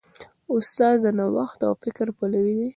استاد د نوښت او فکر پلوی دی.